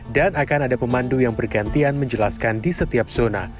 dan akan ada pemandu yang bergantian menjelaskan di setiap zona